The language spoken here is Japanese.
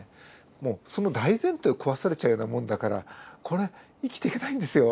もうその大前提を壊されちゃうようなもんだからこれ生きていけないんですよ。